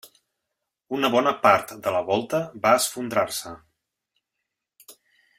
Una bona part de la volta va esfondrar-se.